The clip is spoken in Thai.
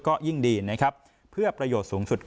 ก็ยิ่งดีเพื่อประโยชน์สูงสุดของ